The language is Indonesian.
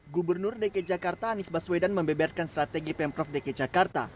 gubernur dki jakarta anies baswedan membeberkan strategi pemprov dki jakarta